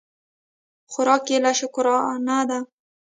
خوراک یې شکرانه ده.